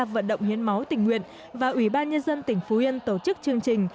vận động hiến máu tỉnh nguyện và ủy ban nhân dân tỉnh phú yên tổ chức chương trình